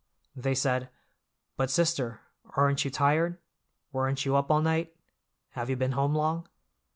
They said—But sister, aren't you tired? Weren't you up all night? Have you been home long?"